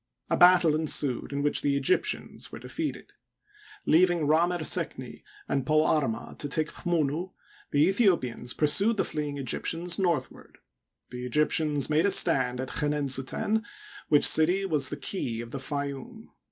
A battle ensued, in which the Egyptians were defeated. Leaving Rd mer sekni and Pouarma to take Chmunu, the Aethio pians pursued the fleeing Egyptians northward. The Egyptians made a stand at Chenensuten, which city was the key of the Fayoum.